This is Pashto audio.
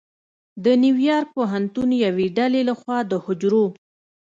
د نیویارک پوهنتون یوې ډلې لخوا د حجرو